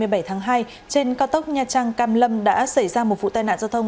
trên cao tốc nha trang cam lâm đã xảy ra một vụ tai nạn giao thông